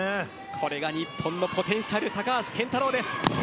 これが日本のポテンシャル高橋健太郎です。